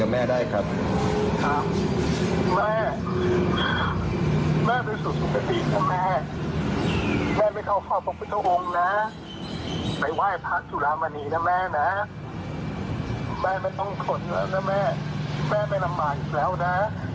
แม่ไม่ต้องขนนะแม่แม่ไม่ลำบากอีกแล้วนะ